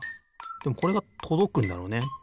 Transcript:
でもこれがとどくんだろうね。